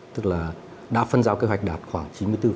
tức là đã phân giao kế hoạch đạt khoảng chín mươi bốn